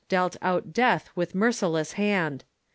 dealt out death with merci less hand.